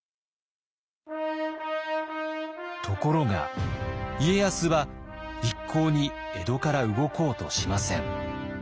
ところが家康は一向に江戸から動こうとしません。